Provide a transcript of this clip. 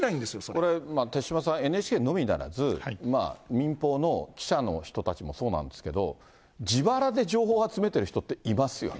これ、手嶋さん、ＮＨＫのみならず、民放の記者の人たちもそうなんですけど、自腹で情報集めている人っていますよね。